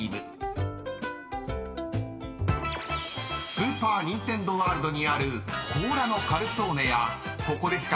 ［スーパー・ニンテンドー・ワールドにあるこうらのカルツォーネやここでしか買えない